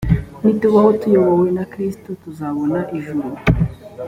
nitubaho tuyobowe na kristo tuzabona ijuru